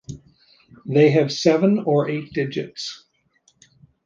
They have seven or eight digits.